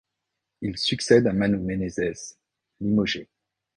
Il succède à Mano Menezes, limogé.